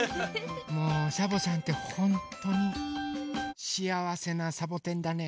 もうサボさんってホントにしあわせなサボテンだね。